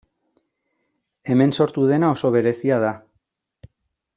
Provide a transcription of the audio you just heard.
Hemen sortu dena oso berezia da.